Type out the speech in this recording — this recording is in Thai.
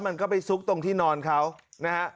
มันก็ไปซุกตรงที่นอนเขานะฮะ